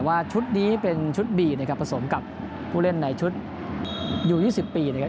ว่าชุดนี้เป็นชุดบีนะครับผสมกับผู้เล่นในชุดอยู่๒๐ปีนะครับ